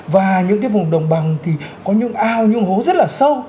và những cái vùng đồng bằng thì có những ao những hố rất là sâu